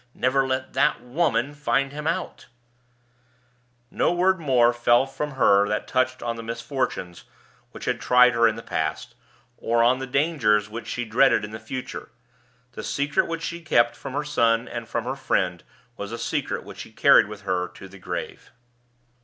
Never let that Woman find him out_!" No word more fell from her that touched on the misfortunes which had tried her in the past, or on the dangers which she dreaded in the future. The secret which she had kept from her son and from her friend was a secret which she carried with her to the grave.